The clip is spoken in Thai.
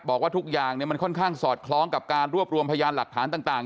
บอกว่าทุกอย่างมันค่อนข้างสอดคล้องกับการรวบรวมพยานหลักฐานต่าง